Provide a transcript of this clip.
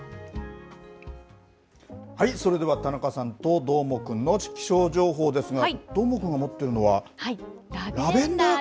はい、それでは田中さんとどーもくんの気象情報ですがどーもくんが持っているのはラベンダーか。